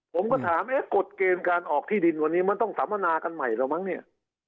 ผมก็ถามเอ๊ะกฎเกณฑ์การออกที่ดินวันนี้มันต้องสัมมนากันใหม่แล้วมั้งเนี่ย